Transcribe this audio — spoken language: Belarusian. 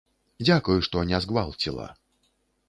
Дзякуй, што не згвалціла.